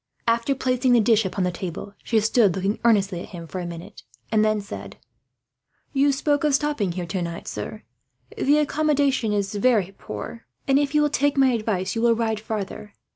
After placing the dish upon the table, she stood looking earnestly at him for a minute, and then said: "You spoke of stopping here tonight, sir. The accommodation is very poor and, if you will take my advice, you will ride farther.